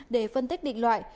để phân tích định loại